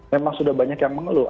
memang sudah banyak yang mengeluh